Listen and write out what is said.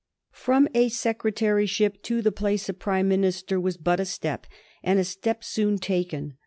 From a secretaryship to the place of Prime Minister was but a step, and a step soon taken.